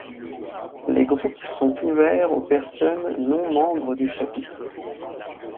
Les groupes sont ouverts aux personnes non membres du Chapitre.